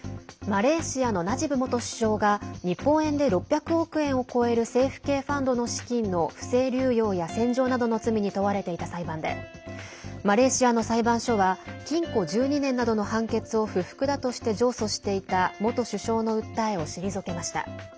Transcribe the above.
マレーシアのナジブ元首相が日本円で６００億円を超える政府系ファンドの資金の不正流用や洗浄などの罪に問われていた裁判でマレーシアの裁判所は禁錮１２年などの判決を不服だとして上訴していた元首相の訴えを退けました。